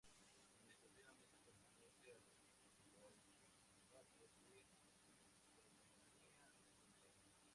Administrativamente pertenece al voivodato de Pomerania Occidental.